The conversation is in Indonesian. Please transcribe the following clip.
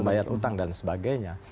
membayar utang dan sebagainya